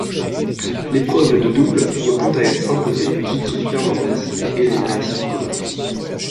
L'épreuve de double voit quant à elle s'imposer Gigi Fernández et Helena Suková.